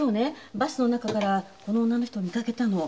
バスの中からこの女の人を見かけたの。